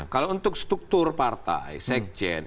kalau untuk struktur partai sekjen